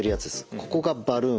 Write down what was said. ここがバルーン。